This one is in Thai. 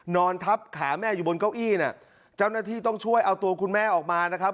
นอนทับขาแม่อยู่บนเก้าอี้เนี่ยเจ้าหน้าที่ต้องช่วยเอาตัวคุณแม่ออกมานะครับ